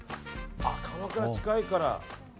鎌倉近いから。